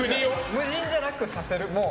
無人じゃなくさせる。